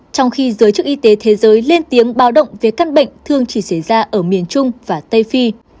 trong khi giới chức y tế thế giới lên tiếng báo động về căn bệnh thường chỉ xảy ra ở miền trung và tây phi